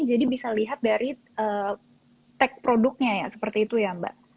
jadi bisa lihat dari tag produknya ya seperti itu ya mbak